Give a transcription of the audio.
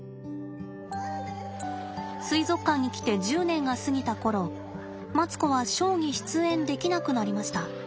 水族館に来て１０年が過ぎた頃マツコはショーに出演できなくなりました。